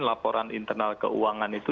laporan internal keuangan itu